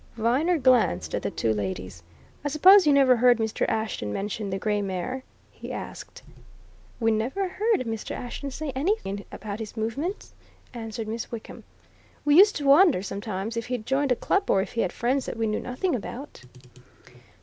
Viner glanced at the two ladies. "I suppose you never heard Mr. Ashton mention the Grey Mare?" he asked. "We never heard Mr. Ashton say anything about his movements," answered Miss Wickham. "We used to wonder, sometimes, if he'd joined a club or if he had friends that we knew nothing about."